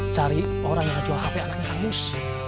cari orang yang jual hp anaknya kangmus